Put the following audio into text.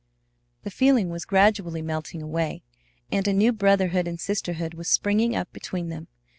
The feeling was gradually melting away, and a new brotherhood and sisterhood was springing up between them.